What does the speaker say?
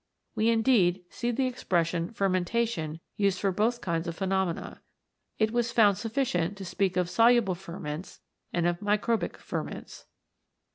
We indeed see the expression Fermentation used for both kinds of phenomena. It was found sufficient to speak of Soluble Ferments and of Microbic Ferments.